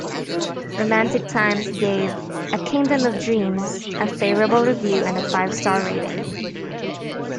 "Romantic Times" gave "A Kingdom of Dreams" a favorable review and a five-star rating.